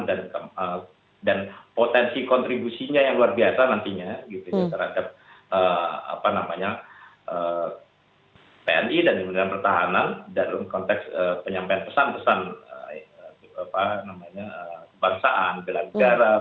dan potensi kontribusinya yang luar biasa nantinya terhadap tni dan militer pertahanan dalam konteks penyampaian pesan pesan kebangsaan gelar negara